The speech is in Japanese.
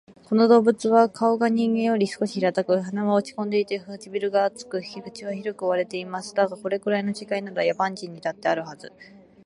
この動物は顔が人間より少し平たく、鼻は落ち込んでいて、唇が厚く、口は広く割れています。だが、これくらいの違いなら、野蛮人にだってあるはず